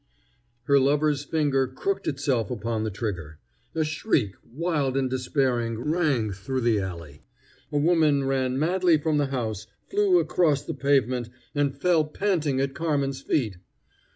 Her lover's finger crooked itself upon the trigger. A shriek, wild and despairing, rang through the alley. A woman ran madly from the house, flew across the pavement, and fell panting at Carmen's feet.